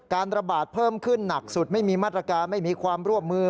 ระบาดเพิ่มขึ้นหนักสุดไม่มีมาตรการไม่มีความร่วมมือ